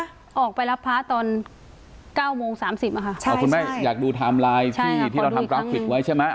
ตรงที่ออกไปรับพระตอน๙โมง๓๐อ่ะค่ะใช่คุณแม่อยากดูไทม์ไลน์ที่เราทำกราฟิตไว้ใช่ไหม